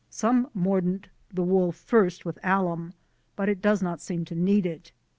Some mordant the wool first with alum, but it does not seem to need it.